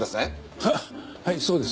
ははいそうです。